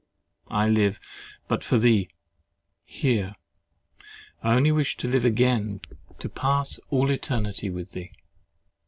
I live but for thee, here—I only wish to live again to pass all eternity with thee.